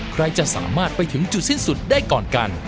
ใครจะสามารถไปถึงจุดสิ้นสุดได้ก่อนกัน